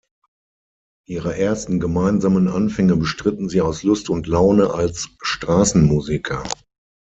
Ihre ersten gemeinsamen Anfänge bestritten sie „aus Lust und Laune“ als Straßenmusiker.